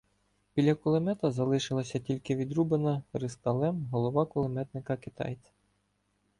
Біля кулемета залишилася тільки відрубана рискалем голова кулеметника-китайця.